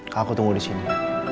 kak aku tunggu disini